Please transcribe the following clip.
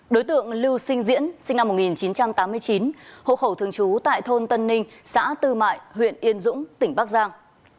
đối tượng lưu sinh diễn sinh năm một nghìn chín trăm tám mươi chín hộ khẩu thường trú tại thôn tân ninh xã tư mại huyện yên dũng tỉnh bắc giang